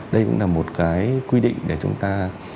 đây cũng là một cái quy định để chúng ta